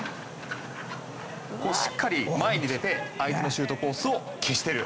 しっかり前に出て相手のシュートコースを消している。